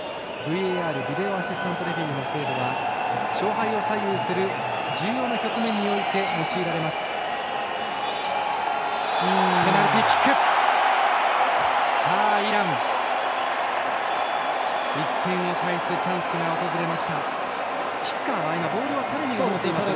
ＶＡＲ＝ビデオアシスタントレフェリーの制度は勝敗を左右する重要な局面において用いられます。